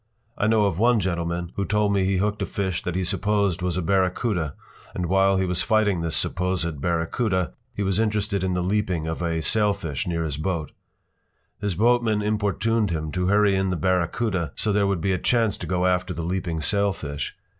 I know of one gentleman who told me he hooked a fish that he supposed was a barracuda, and while he was fighting this supposed barracuda he was interested in the leaping of a sailfish near his boat. His boatman importuned him to hurry in the barracuda so there would be a chance to go after the leaping sailfish.